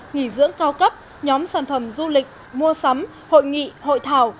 nghỉ dưỡng cao cấp nhóm sản phẩm du lịch mua sắm hội nghị hội thảo